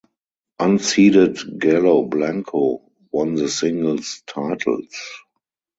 Unseeded Galo Blanco won the singles titles.